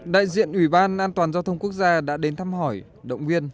đại diện ủy ban an toàn giao thông quốc gia đã đến thăm hỏi động viên